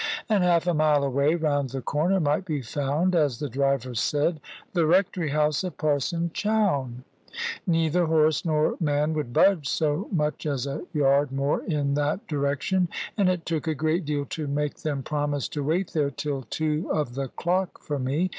And half a mile away round the corner might be found (as the driver said) the rectory house of Parson Chowne. Neither horse nor man would budge so much as a yard more in that direction, and it took a great deal to make them promise to wait there till two of the clock for me.